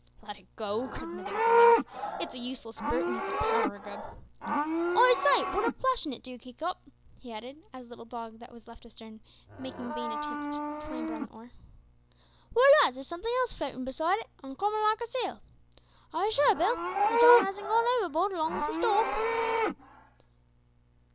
"Let it go," cried another with a laugh; "it's a useless brute and eats a power o' grub." "I say, wot a splashin' it do kick up," he added as the little dog was left astern making vain efforts to clamber on the oar. "Why, lads, there's somethin' else floatin' beside it, uncommon like a seal. Are 'ee sure, Bill, that Jarwin hasn't gone overboard along with his dog?"